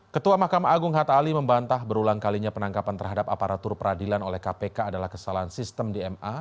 ketua mahkamah agung hatta ali membantah berulang kalinya penangkapan terhadap aparatur peradilan oleh kpk adalah kesalahan sistem di ma